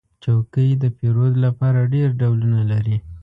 چوکۍ د پیرود لپاره ډېر ډولونه لري.